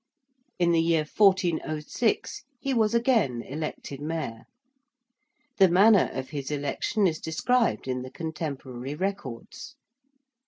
In the year 1406 he was again elected Mayor. The manner of his election is described in the contemporary records.